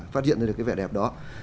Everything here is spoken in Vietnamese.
phát hiện ra được cái vẻ đẹp đó